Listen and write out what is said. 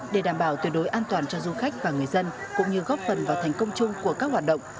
để đảm bảo tuyệt đối an toàn cho du khách và người dân cũng như góp phần vào thành công chung của các hoạt động